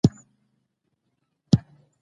ارواپوهانو په دې اړه يوه ښه خبره کړې ده.